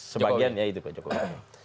sebagian ya itu pak jokowi